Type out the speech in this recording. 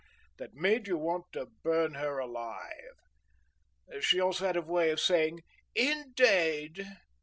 that made you want to burn her alive. She also had a way of saying "Indade!"